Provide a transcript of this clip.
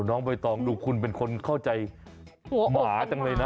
น้องบ่ายตองดูคุณเป็นคนเข้าใจหัวอดกันหมาจังเลยนะ